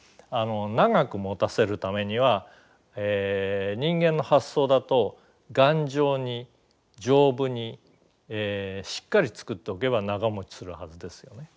長くもたせるためには人間の発想だと頑丈に丈夫にしっかり作っておけば長もちするはずですよね。